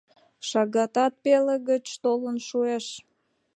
— Шагатат пеле гыч толын шуэш.